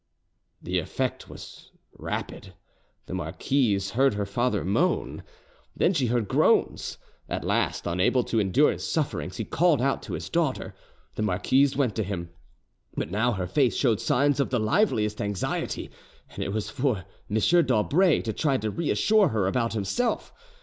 The effect was rapid. The marquise heard her father moan; then she heard groans. At last, unable to endure his sufferings, he called out to his daughter. The marquise went to him. But now her face showed signs of the liveliest anxiety, and it was for M. d'Aubray to try to reassure her about himself!